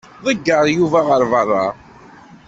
Ḍegger Yuba ɣer beṛṛa.